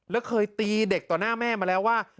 แล้วเคยตีเด็กต่อหน้าแม่มาแล้วว่า